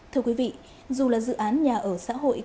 thưa quý vị dù là dự án nhà ở xã hội